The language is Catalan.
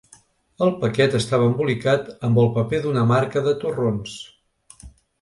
El paquet estava embolicat amb el paper d’una marca de torrons.